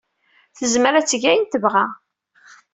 Tezmer ad teg ayen tebɣa.